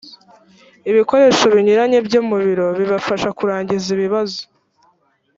ibikoresho binyuranye byo mu biro bibafasha kurangiza ibibazo